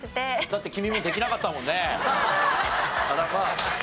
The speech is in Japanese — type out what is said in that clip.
だって君もできなかったもんね。